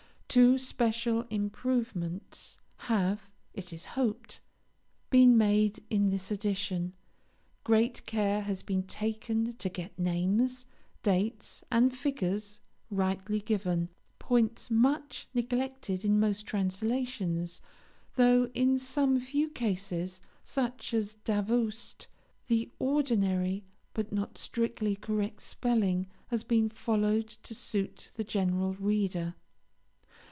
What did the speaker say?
Two special improvements have, it is hoped, been made in this edition. Great care has been taken to get names, dates, and figures rightly given, points much neglected in most translations, though in some few cases, such as Davoust, the ordinary but not strictly correct spelling has been followed to suit the general reader.